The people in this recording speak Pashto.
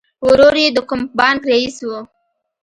ورور یې د کوم بانک رئیس و